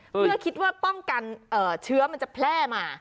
เพื่อคิดว่าป้องกันเชื้อมันจะแพร่มา